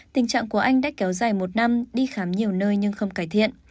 tình trạng của anh đã kéo dài một năm đi khám nhiều nơi nhưng không cải thiện